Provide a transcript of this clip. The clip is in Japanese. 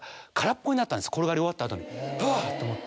転がり終わった後に。